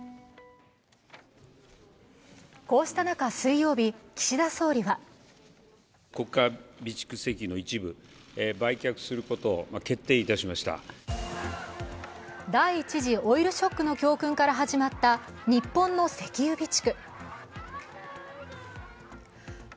こうした中、水曜日、岸田総理は第１次オイルショックの教訓から始まった日本の石油備蓄。